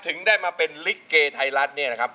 ถึงได้มาเป็นลิเกไทยรัฐเนี่ยนะครับ